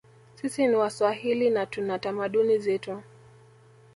Sisi ni waswahili na tuna tamaduni zetu